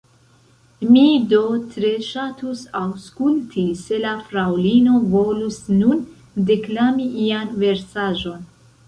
Mi do tre ŝatus aŭskulti, se la Fraŭlino volus nun deklami ian versaĵon.